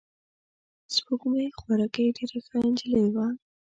سپوږمۍ خوارکۍ ډېره ښه نجلۍ وه.